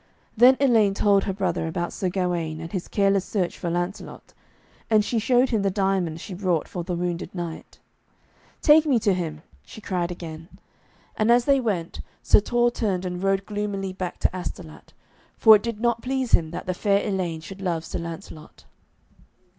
Then Elaine told her brother about Sir Gawaine, and his careless search for Lancelot, and she showed him the diamond she brought for the wounded knight. 'Take me to him,' she cried again. And as they went, Sir Torre turned and rode gloomily back to Astolat, for it did not please him that the Fair Elaine should love Sir Lancelot.